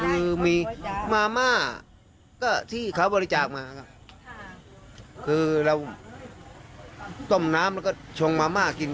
คือมีมาม่าก็ที่เขาบริจาคมาครับค่ะคือเราต้มน้ำแล้วก็ชงมาม่ากิน